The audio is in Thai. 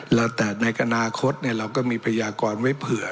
แล้วแต่ในอนาคตเราก็มีพยากรไว้เผื่อ